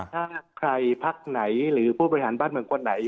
ถ้าใครพักไหนหรือผู้บริหารบ้านเมืองคนไหน